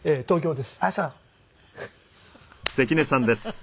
東京です。